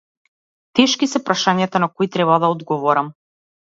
Тешки се прашањата на кои треба да одговорам.